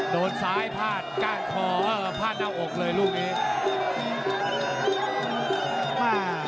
โดนซ้ายผ้านกล้างคอผ้านน้ำอกเลยลูกเอง